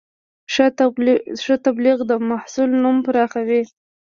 ښه تبلیغ د محصول نوم پراخوي.